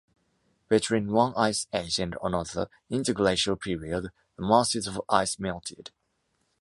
Between one ice age and another, interglacial period, the masses of ice melted.